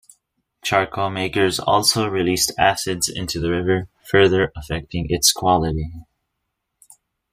Charcoal makers also released acids into the river, further affecting its quality.